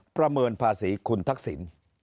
ประเมินภาษีคุณทักษิณ